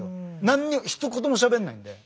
何にもひと言もしゃべんないんで。